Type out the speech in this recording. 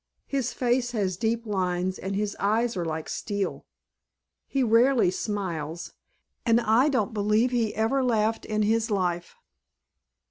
His face has deep lines and his eyes are like steel. He rarely smiles and I don't believe he ever laughed in his life."